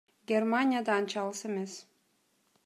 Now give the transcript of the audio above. Германия да анча алыс эмес.